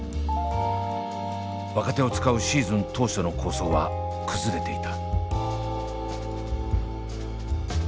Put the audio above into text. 若手を使うシーズン当初の構想は崩れていた。